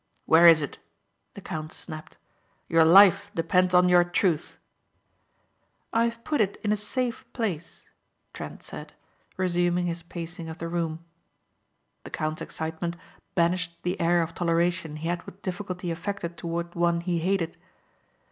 "Where is it?" the count snapped. "Your life depends on your truth." "I have put it in a safe place," Trent said, resuming his pacing of the room. The count's excitement banished the air of toleration he had with difficulty affected toward one he hated.